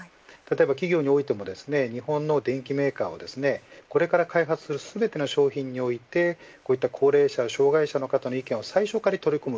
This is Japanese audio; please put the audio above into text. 企業においても日本の電機メーカーがこれから開発する全ての商品において高齢者や障害者の方の意見を最初から取り込む